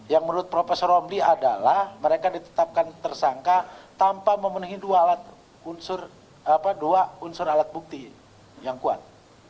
yang menurut prof womli adalah mereka ditetapkan tersangka tanpa memenuhi dua alat unsur apa dua unsur alat bukti yang kuat